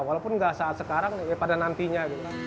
walaupun nggak saat sekarang ya pada nantinya gitu